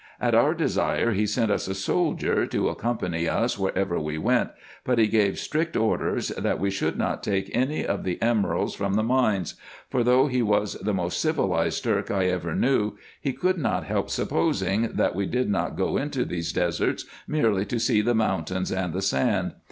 At our desire, he sent us a soldier, to accompany us wherever we went, but he gave strict orders that we should not take any of the emeralds from the mines ; for, though he was the most civilized Turk I ever knew, he could not help supposing, that we did not go into these deserts merely to see the mountains and the sand.